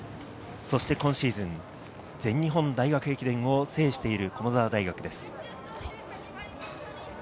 そして今シーズン、全日本大学駅伝を制している駒澤大学です。